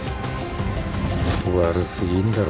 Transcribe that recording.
悪すぎんだろ